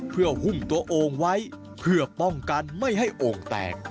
เพื่อหุ้มตัวโอ่งไว้เพื่อป้องกันไม่ให้โอ่งแตก